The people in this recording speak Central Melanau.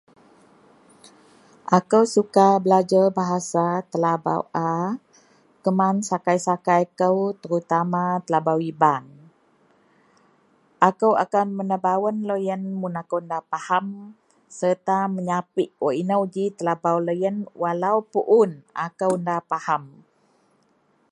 akou suka belajer bahasa telebau a keman sakai-sakai kou terutama telebau iban, akou akan menabawen loyien mun akou da faham serta meyapik wak inou ji telabau loyien walaupuun akou da faham